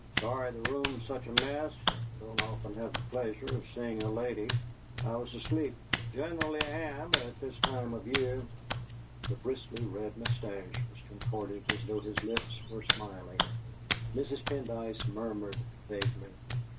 "Sorry the room's in such a mess. Don't often have the pleasure of seeing a lady. I was asleep; generally am at this time of year!" The bristly red moustache was contorted as though his lips were smiling. Mrs. Pendyce murmured vaguely.